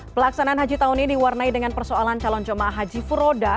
pelaksanaan haji tahun ini diwarnai dengan persoalan calon jemaah haji furoda